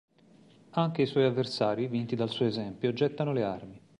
Anche i suoi avversari, vinti dal suo esempio, gettano le armi.